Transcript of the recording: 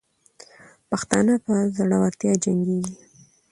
پښتانه په زړورتیا جنګېږي.